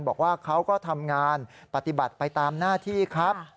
บอกว่าเขาก็ทำงานปฏิบัติไปตามหน้าที่ครับ